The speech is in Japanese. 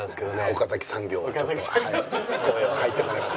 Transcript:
岡崎産業はちょっと声は入ってこなかった。